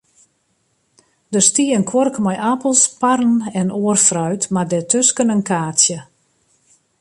Der stie in kuorke mei apels, parren en oar fruit, mei dêrtusken in kaartsje.